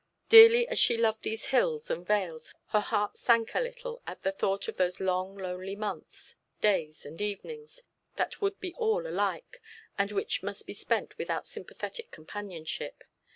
Dearly as she loved these hills and vales her heart sank a little at the thought of those long lonely months, days and evenings that would be all alike, and which must be spent without sympathetic companionship.